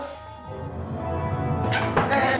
ya allah ya allah ya pak